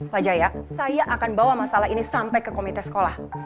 pak jaya saya akan bawa masalah ini sampai ke komite sekolah